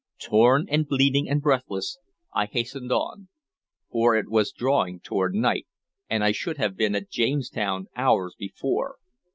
Torn and bleeding and breathless, I hastened on; for it was drawing toward night, and I should have been at Jamestown hours before.